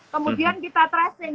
kemudian kita trusting